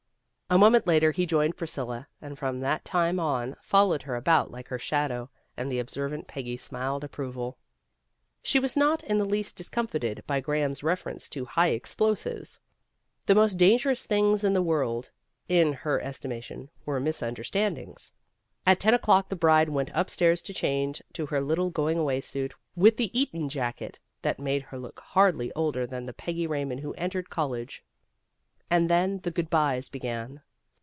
A moment later he joined Priscilla, and from that time on followed her about like her shadow, and the observant Peggy smiled ap proval. She was not in the least discomfited by Graham's reference to high explosives. The most dangerous things in the world, in her estimation, were misunderstandings. At ten o'clock the bride went upstairs to change to her little going away suit with the A JULY WEDDING 323 Eton Jacket, that made her look hardly older than the Peggy Raymond who entered college. And then the good bys began.